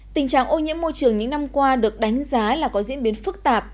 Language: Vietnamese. tình trạng ô nhiễm môi trường những năm qua được đánh giá là có diễn biến phức tạp